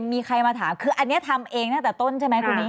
มีใครมาถามคืออันนี้ทำเองตั้งแต่ต้นใช่ไหมคุณนี้